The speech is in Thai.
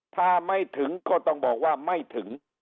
ถ้าไม่ถึงก็ต้องบอกว่าไม่ถึง